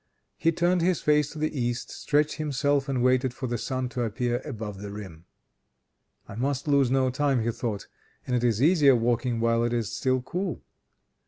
He turned his face to the east, stretched himself, and waited for the sun to appear above the rim. "I must lose no time," he thought, "and it is easier walking while it is still cool."